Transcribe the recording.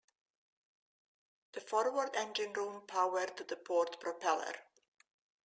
The forward engine room powered the port propeller.